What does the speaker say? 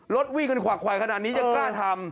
รถวิ่งกันขวากไหวขนาดนี้ยังกล้าทำ